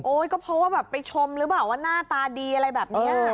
ก็เพราะว่าแบบไปชมหรือเปล่าว่าหน้าตาดีอะไรแบบนี้ค่ะ